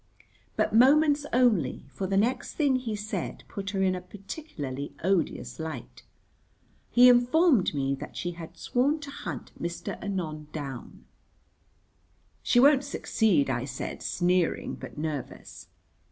But moments only, for the next thing he said put her in a particularly odious light. He informed me that she had sworn to hunt Mr. Anon down. "She won't succeed," I said, sneering but nervous.